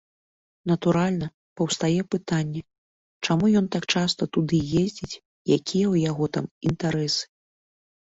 Натуральна, паўстае пытанне, чаму ён так часта туды ездзіць, якія ў яго там інтарэсы.